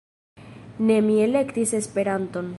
Ne mi elektis Esperanton.